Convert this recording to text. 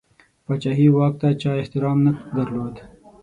پاچهي واک ته چا احترام نه درلود.